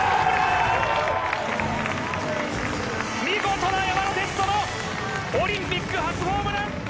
見事な山田哲人のオリンピック初ホームラン！